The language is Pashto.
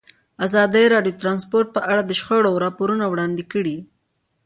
ازادي راډیو د ترانسپورټ په اړه د شخړو راپورونه وړاندې کړي.